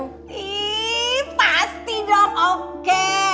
ihh pasti dong oke